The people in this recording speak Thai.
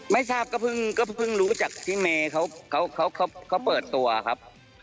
ไม่ทราบก็เพิ่งรู้จากพี่เมย์เขาเปิดตัวครับ